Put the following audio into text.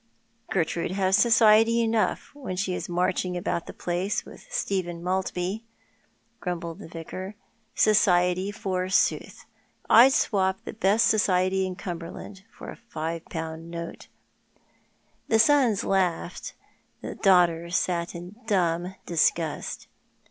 " Gertrude has society enough Mhen she is marching about the place with Stephen Maltby," grumbled the Yicar. " Society, forsooth. I'd swop the best society in Cumberland for a five pound note." The sons laughed ; the daughters sat in dumb disgust.